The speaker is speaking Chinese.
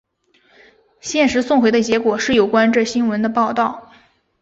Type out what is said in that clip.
现时送回的结果是有关这新闻的报道。